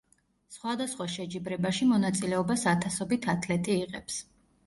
სხვადასხვა შეჯიბრებაში მონაწილეობას ათასობით ათლეტი იღებს.